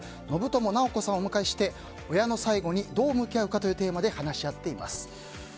信友直子さんをお迎えして親の最期にどう向き合うかというテーマで話し合っています。